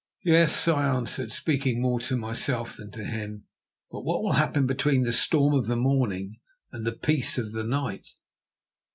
"Yes," I answered, speaking more to myself than to him, "but what will happen between the storm of the morning and the peace of the night?"